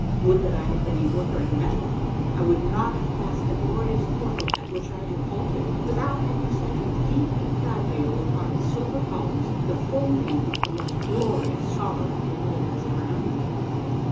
Would that I had been a worker in metal ! I would not have passed the glorious portal at which I had halted without having set in deep intaglio upon its silver columns the full name of the most glorious scholar whom the world has ever known.